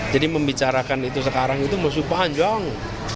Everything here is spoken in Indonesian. jadi membicarakan itu sekarang itu mesti panjang